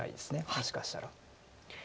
もしかしたら。